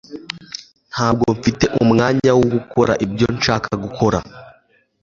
ntabwo mfite umwanya wo gukora ibyo nshaka gukora